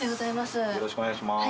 よろしくお願いします。